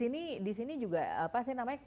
nah disini juga apa sih namanya